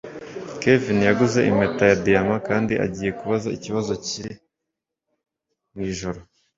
Kevin yaguze impeta ya diyama kandi agiye kubaza ikibazo Kim iri joro